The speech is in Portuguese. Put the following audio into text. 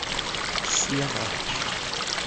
Cianorte